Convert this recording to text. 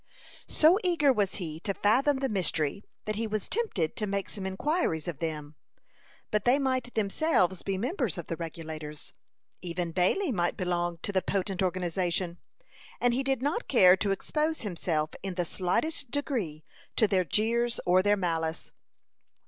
So eager was he to fathom the mystery, that he was tempted to make some inquiries of them; but they might themselves be members of the Regulators. Even Bailey might belong to the potent organization, and he did not care to expose himself in the slightest degree to their jeers or their malice.